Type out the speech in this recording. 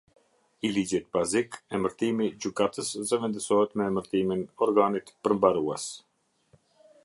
I ligjit bazik emërtimi “Gjykatës” zëvendësohet me emërtimin ”organit përmbarues”.